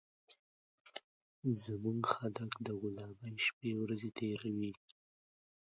زموږ خلک د غلامۍ شپې ورځي تېروي